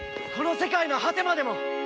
この世界の果てまでも！